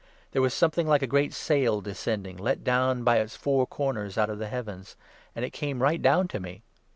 There was something like a great sail descending, let down by its four corners put of the heavens ; and it came right down to me.